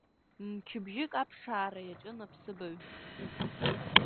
Мчыбжьык аԥшаара иаҿын аԥсыбаҩ.